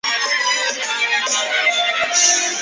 出身于大分县。